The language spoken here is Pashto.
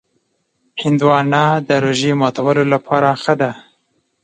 هندوانه د روژې ماتولو لپاره ښه ده.